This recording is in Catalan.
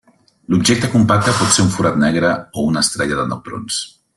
L'objecte compacte pot ser un forat negre, o una estrella de neutrons.